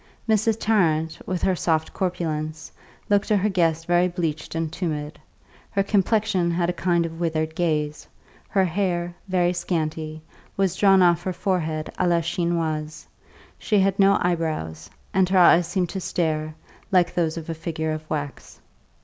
Mrs. Tarrant, with her soft corpulence, looked to her guest very bleached and tumid; her complexion had a kind of withered glaze; her hair, very scanty, was drawn off her forehead à la Chinoise; she had no eyebrows, and her eyes seemed to stare, like those of a figure of wax.